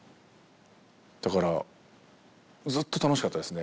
だからずっと楽しかったですね。